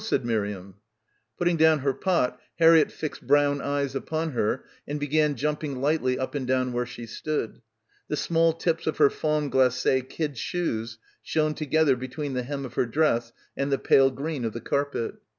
said Miriam. Putting down her pot Harriett fixed brown eyes upon her and began jumping lightly up and down where she stood. The small tips of her fawn glace kid shoes shone together between the hem of her dress and the pale green of the carpet.